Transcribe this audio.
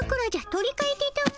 取りかえてたも。